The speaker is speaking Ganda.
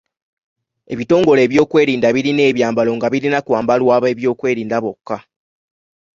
Ebitongole by'ebyokwerinda birina ebyambalo nga birina kwambalwa ab'ebyokwerinda bokka.